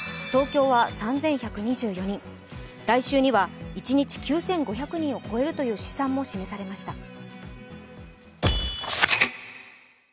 東京は３１２４人、来週には一日９５００人を超えるという試算も示されました。